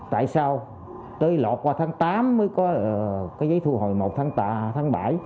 tại sao tới lọt qua tháng tám mới có cái giấy thu hồi một tháng bảy